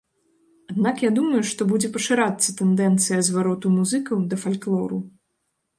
Аднак я думаю, што будзе пашырацца тэндэнцыя звароту музыкаў да фальклору.